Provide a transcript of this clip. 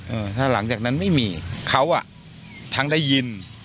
ถ้าหลังจากนั้นไม่มีเขาอ่ะทั้งได้ยิน